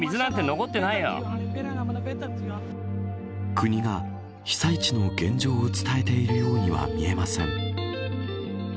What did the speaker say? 国が被災地の現状を伝えているようには見えません。